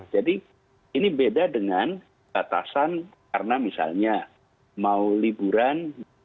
jadi ini beda dengan batasan karena misalnya mau liburan